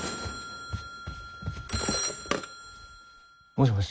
☎もしもし。